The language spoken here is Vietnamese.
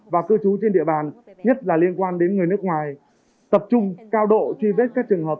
và cư trú trên địa bàn nhất là liên quan đến người nước ngoài tập trung cao độ truy vết các trường hợp